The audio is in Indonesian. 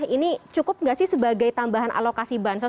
ini cukup nggak sih sebagai tambahan alokasi bansos